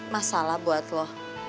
masalah buat lu